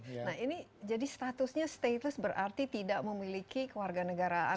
nah ini jadi statusnya stateless berarti tidak memiliki keluarga negaraan